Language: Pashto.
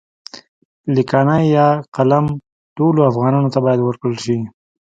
لیکانی يا قلم ټولو افغانانو ته باید ورکړل شي.